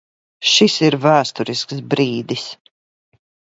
Šis ir vēsturisks brīdis!